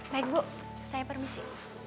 baik bu saya permisi